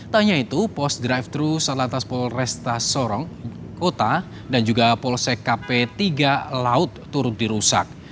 tak hanya itu pos drive thru satlantas polresta sorong kota dan juga polsek kp tiga laut turut dirusak